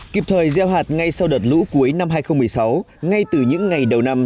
kịp thời gieo hạt ngay sau đợt lũ cuối năm hai nghìn một mươi sáu ngay từ những ngày đầu năm